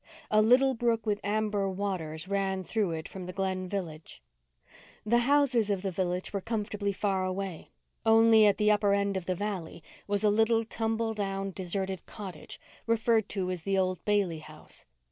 A little brook with amber waters ran through it from the Glen village. The houses of the village were comfortably far away; only at the upper end of the valley was a little tumble down, deserted cottage, referred to as "the old Bailey house."